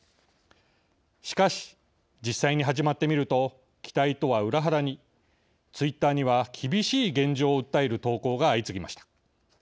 しかし、実際に始まってみると期待とは裏腹に、ツイッターには厳しい現状を訴える投稿が相次ぎました。